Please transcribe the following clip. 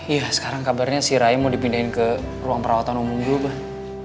iya sekarang kabarnya si raya mau dipindahin ke ruang perawatan umum dulu bang